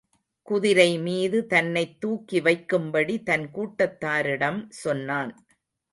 குதிரை மீது தன்னைத் தூக்கி வைக்கும்படி தன் கூட்டத்தாரிடம் சொன்னான்.